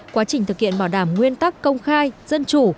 quá trình thực hiện bảo đảm nguyên tắc công khai dân chủ